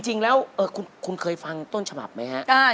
จริงแล้วคุณเคยฟังต้นฉบับไหมฮะ